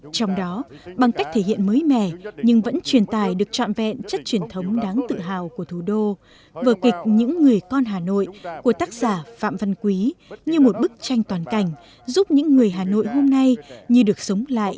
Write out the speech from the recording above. trong đó bằng cách thể hiện mới mẻ nhưng vẫn truyền tài được trọn vẹn chất truyền thống đáng tự hào của thủ đô vở kịch những người con hà nội của tác giả phạm văn quý như một bức tranh toàn cảnh giúp những người hà nội hôm nay như được sống lại